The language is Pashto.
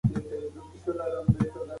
د ماشومانو غږونه اورېدل کېدل.